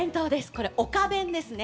これ「丘弁」ですね。